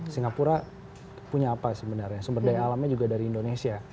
singapura punya apa sebenarnya sumber daya alamnya juga dari indonesia